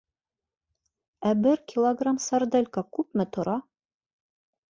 Ә бер килограмм сарделька күпме тора?